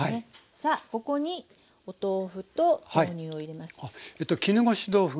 さあここにお豆腐と豆乳を入れます。